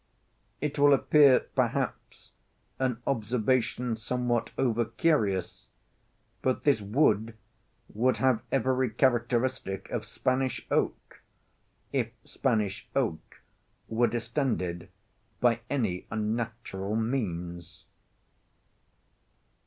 It will appear perhaps an observation somewhat over curious, but this wood would have every characteristic of Spanish oak, if Spanish oak were distended by any unnatural means.